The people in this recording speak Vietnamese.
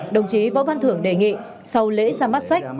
đồng chí võ văn thưởng đề nghị sau lễ ra mắt sách